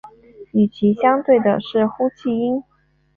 与其相对的是呼气音。